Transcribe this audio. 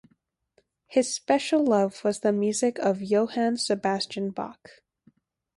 His special love was the music of Johann Sebastian Bach.